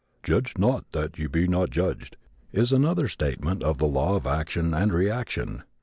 "Judge not, that ye be not judged," is another statement of the law of action and reaction.